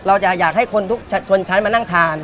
อยากให้คนทุกชนชั้นมานั่งทาน